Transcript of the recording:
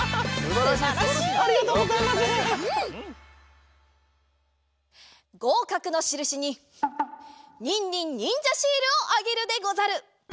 ごうかくのしるしにニンニンにんじゃシールをあげるでござる。